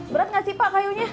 berat nggak sih pak kayunya